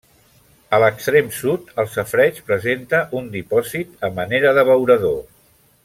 A l'extrem sud, el safareig presenta un dipòsit a manera d'abeurador.